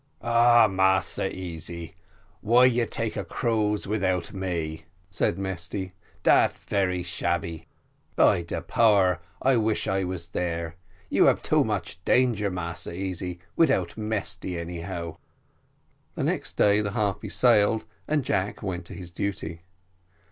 "Ah, Massa Easy, why you take a cruise without me?" said Mesty; "dat very shabby by de power, but I wish I was there; you ab too much danger, Massa Easy, without Mesty, anyhow." The next day the Harpy sailed, and Jack went to his duty.